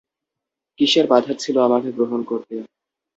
কিসের বাধা ছিল আমাকে গ্রহণ করতে?